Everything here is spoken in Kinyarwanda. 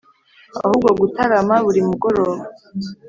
ahubwo gutarama buri mugoroba